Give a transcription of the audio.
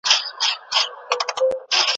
دا پیسې کوي له کومه څه یې کار دی